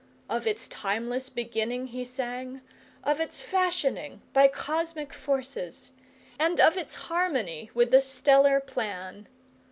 Of its timeless beginning he sang, of its fashioning by cosmic forces, and of its harmony with the stellar plan.